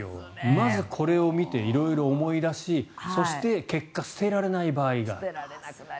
まずこれを見て色々思い出しそして結果捨てられない場合がある。